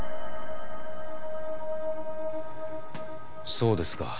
そうですか。